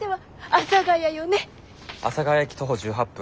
阿佐ヶ谷駅徒歩１８分